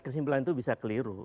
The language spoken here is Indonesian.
kesimpulan itu bisa keliru